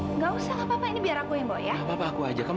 enggak usah apa apa ini biar aku yang mau ya aku aja kamu